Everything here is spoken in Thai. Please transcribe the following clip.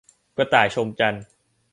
กระต่ายชมจันทร์